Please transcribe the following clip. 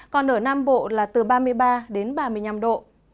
còn ở nam bộ là từ ba mươi ba đến ba mươi năm độ